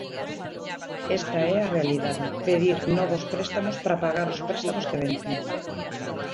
Esta é a realidade, pedir novos préstamos para pagar os préstamos que vencen.